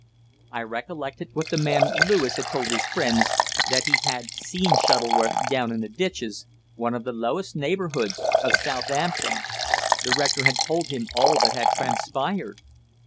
I recollected what the man Lewis had told his friends that he had seen Shuttleworth down in the Ditches one of the lowest neighbourhoods of Southampton. The rector had told him all that had transpired!